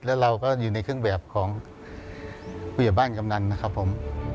แล้วเราก็อยู่ในเครื่องแบบของผู้ใหญ่บ้านกำนันนะครับผม